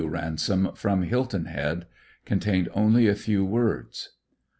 Ransom, from Hil ton Head.f Contained only a few words.